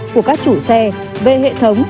của các chủ xe về hệ thống